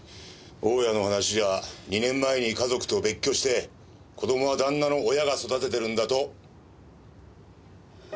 大家の話では２年前に家族と別居して子供は旦那の親が育ててるんだと！